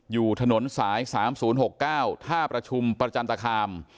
อยู่ถนนสาย๓๐๖๙ท่าประชุมประจันตคาม